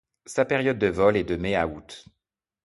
Sa période de vol est de mai à août.